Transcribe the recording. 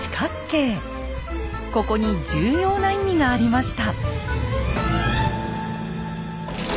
ここに重要な意味がありました。